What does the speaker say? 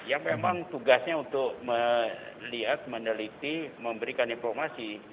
ya memang tugasnya untuk melihat meneliti memberikan informasi